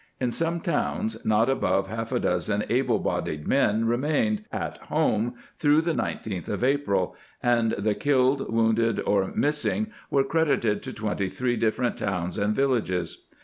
In some towns not above half a dozen able bodied men remained at home through the 19th of April, and the killed, wounded, or missing were credited to twenty three different towns and villages.